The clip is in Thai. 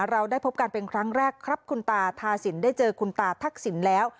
เราได้พบกันเป็นครั้งแรกครับคุณตาทาสินได้เจอคุณตาทักษิณแล้ว